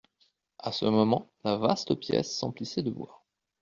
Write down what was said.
À ce moment, la vaste pièce s'emplissait de voix.